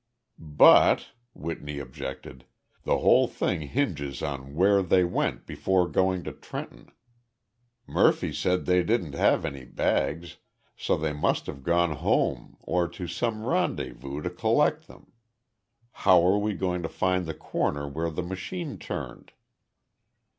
"But," Whitney objected, "the whole thing hinges on where they went before going to Trenton. Murphy said they didn't have any bags, so they must have gone home or to some rendezvous to collect them. How are we going to find the corner where the machine turned?"